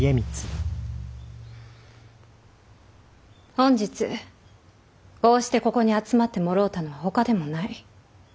本日こうしてここに集まってもろうたのはほかでもない。